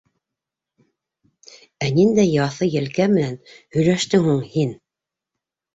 Ә ниндәй яҫы елкә менән һөйләштең һуң һин?